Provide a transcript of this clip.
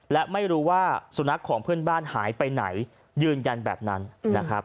และไม่รู้ว่าสุนัขของเพื่อนบ้านหายไปไหนยืนยันแบบนั้นนะครับ